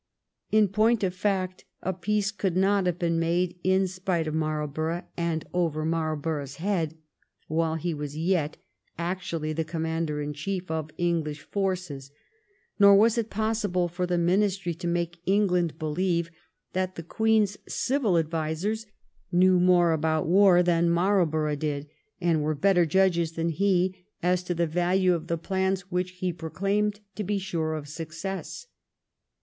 In point of fact, a peace could not have been made in spite of Marlborough, and over Marl borough's head, while he was yet actually the Com mander in Chief of England's forces, nor was it possible for the Ministry to make England believe that the Queen's civil advisers knew more about war than Marlborough did, and were better judges than he as to the value of the plans which he proclaimed to be sure of success.